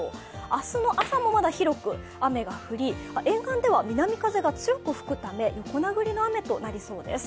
明日の朝もまだ広く雨が降り、沿岸では横殴りの雨となりそうです。